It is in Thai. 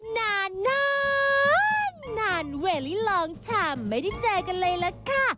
นานนานเวลลี่ลองชามไม่ได้เจอกันเลยล่ะค่ะ